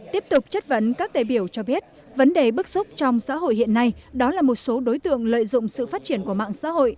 tiếp tục chất vấn các đại biểu cho biết vấn đề bức xúc trong xã hội hiện nay đó là một số đối tượng lợi dụng sự phát triển của mạng xã hội